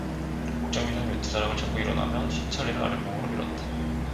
옥점이는 외투 자락을 잡고 일어나며 신철이를 아랫목으로 밀었다.